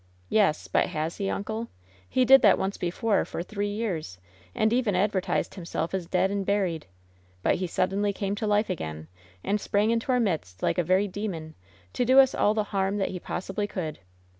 *^Yes, but has he, uncle? He did that once before for three years, and even advertised himself as dead and buried. But he suddenly came to life again, and sprang into our midst like a very demon, to do us all the harm that he possibly could.